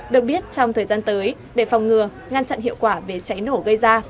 được biết trong thời gian tới để phòng ngừa ngăn chặn hiệu quả về cháy nổ gây ra